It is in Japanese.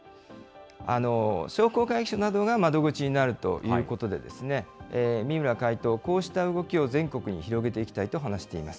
商工会議所などが窓口になるということで、三村会頭、こうした動きを全国に広げていきたいと話しています。